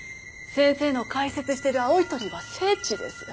先生の開設してる青い鳥は聖地です。